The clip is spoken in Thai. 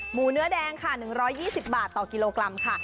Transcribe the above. เนื้อแดงค่ะ๑๒๐บาทต่อกิโลกรัมค่ะ